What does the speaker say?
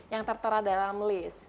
yang tertera dalam list